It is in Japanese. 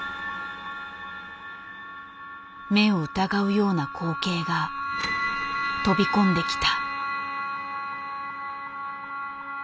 目を疑うような光景が飛び込んできた。